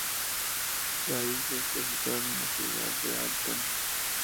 La isla está situada en la ciudad de Alton.